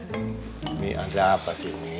mami ada apa sih ini